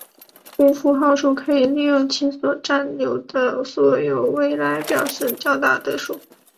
无符号数可以利用其所占有的所有位来表示较大的数。